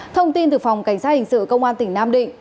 thông tin từ phòng cảnh sát hình sự công an tỉnh nam định